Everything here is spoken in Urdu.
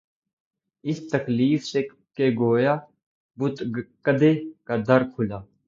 اس تکلف سے کہ گویا بت کدے کا در کھلا